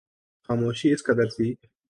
خاموشی اس قدر تھی